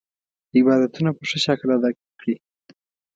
عبادتونه په ښه شکل ادا کړي.